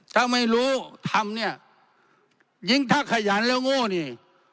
ถ้าไม่รู้ทำเนี่ยยิ่งถ้าขยันแล้วโง่นี่